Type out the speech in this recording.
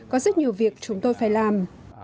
có rất nhiều việc chúng tôi phải làm